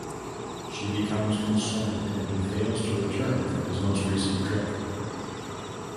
She becomes concerned when he fails to return from his most recent trip.